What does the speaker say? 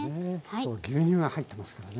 牛乳が入ってますからね。